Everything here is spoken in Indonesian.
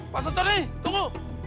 pak sotoni tunggu